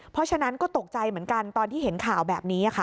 เพราะฉะนั้นก็ตกใจเหมือนกันตอนที่เห็นข่าวแบบนี้ค่ะ